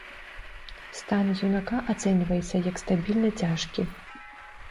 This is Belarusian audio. Стан юнака ацэньваецца як стабільна цяжкі.